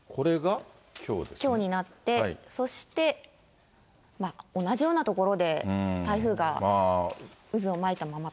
きょうになって、そして同じような所で台風が渦を巻いたままと。